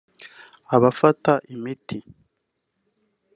abafata imiti